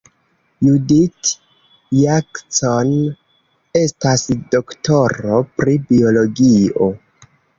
Judith Jackson estas doktoro pri biologio.